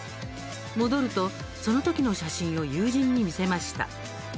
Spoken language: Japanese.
戻ると、その時の写真を友人に見せました。